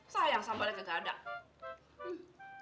sayang sampai kejadian